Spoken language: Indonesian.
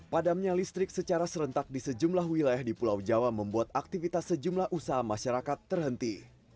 padamnya listrik secara serentak di sejumlah wilayah di pulau jawa membuat aktivitas sejumlah usaha masyarakat terhenti